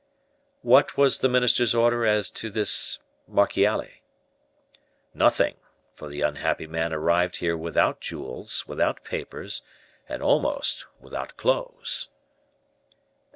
"What was the minister's order as to this Marchiali?" "Nothing; for the unhappy man arrived here without jewels, without papers, and almost without clothes."